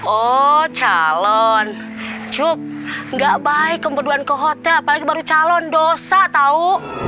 oh calon cup nggak baik kemudian ke hotel apalagi baru calon dosa tau